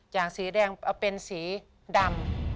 อย่างสีแดงเอาเป็นสีดำ